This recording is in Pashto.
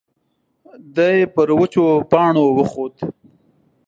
دی پر وچو پاڼو وخوت.